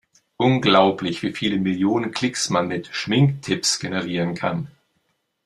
Unglaublich, wie viele Millionen Klicks man mit Schminktipps generieren kann!